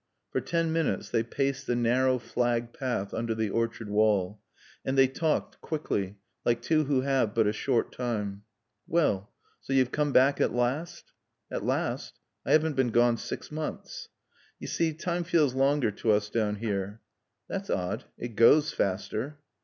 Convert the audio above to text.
For ten minutes they paced the narrow flagged path under the orchard wall. And they talked, quickly, like two who have but a short time. "Well so you've come back at last?" "At last? I haven't been gone six months." "You see, time feels longer to us down here." "That's odd. It goes faster."